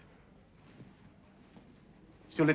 sulit dibayangkan pak